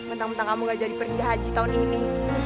mentang mentang kamu gak jadi pergi haji tahun ini